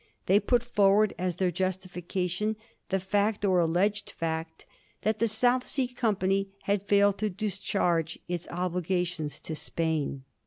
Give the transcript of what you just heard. They put forward as their justification the fact, or alleged fact, that the South Sea Company had failed to discharge its obligations to Spain.